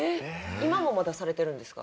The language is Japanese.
今もまだされてるんですか？